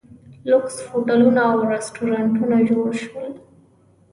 لوکس هوټلونه او ریسټورانټونه جوړ شول.